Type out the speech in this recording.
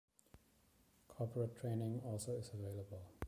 Corporate training also is available.